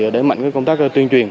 để mạnh công tác tuyên truyền